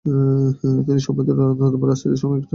তিনি সম্প্রদায়ের অন্যতম রাজনৈতিক ও সামরিক নেতা হয়ে ওঠেন।